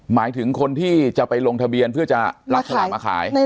หมายถึงคนที่จะไปลงทะเบียนเพื่อจะรับสลากมาขาย